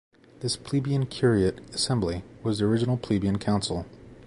This "Plebeian Curiate Assembly" was the original Plebeian Council.